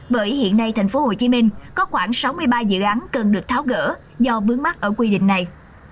bởi hiện nay tp hcm có khoảng sáu mươi ba dự án cần được tháo gỡ do vướng mắt ở quy định này